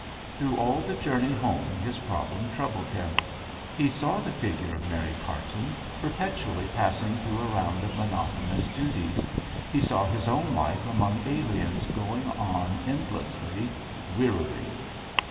Through all the journey home his problem troubled him. He saw the figure of Mary 6 98 JOHN SHERMAN. Carton perpetually passing through a round of monotonous duties. He saw his own life among aliens going on endlessly, wearily.